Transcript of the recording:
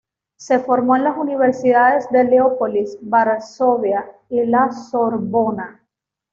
Se formó en las universidades de Leópolis, Varsovia y la Sorbona.